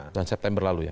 jalan september lalu ya